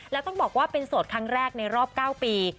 แล้วต้องบอกว่าเป็นโสดครั้งแรกในรอบ๙ปี